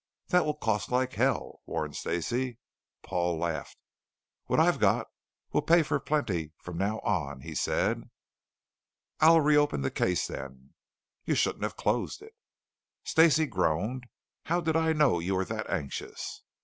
"This will cost like hell," warned Stacey. Paul laughed. "What I've got will pay for plenty from now on," he said. "I'll re open the case, then." "You shouldn't have closed it." Stacey groaned. "How did I know you were that anxious?"